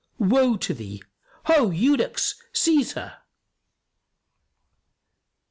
Woe to thee! Ho, eunuchs, seize her!"